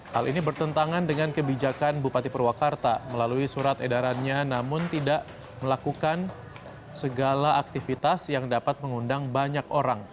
hal ini bertentangan dengan kebijakan bupati purwakarta melalui surat edarannya namun tidak melakukan segala aktivitas yang dapat mengundang banyak orang